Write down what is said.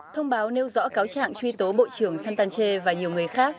thông báo nêu rõ cáo trạng truy tố bộ trưởng santace và nhiều người khác